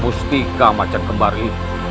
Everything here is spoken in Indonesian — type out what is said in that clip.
musti kau akan kembali